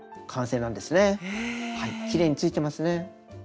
きれいについてますね。